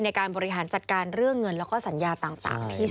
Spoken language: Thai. ในการบริหารจัดการเรื่องเงินแล้วก็สัญญาต่างที่